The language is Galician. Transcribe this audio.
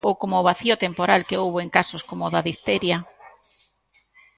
Ou como o vacío temporal que houbo en casos como a da difteria.